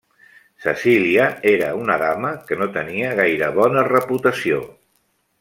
Cecília era una dama que no tenia gaire bona reputació.